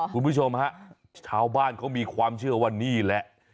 คุณผู้ชมฮะชาวบ้านเขามีความเชื่อว่านี่แหละ